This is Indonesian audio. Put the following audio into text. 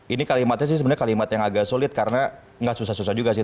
ini kalimatnya sih sebenarnya kalimat yang agak sulit karena nggak susah susah juga sih